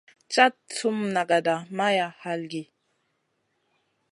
Cad sum nagada maya halgiy.